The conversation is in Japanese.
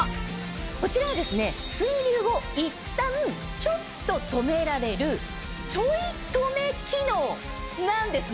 こちらは水流をいったんちょっと止められるちょい止め機能なんですね。